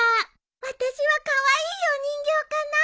私はカワイイお人形かな。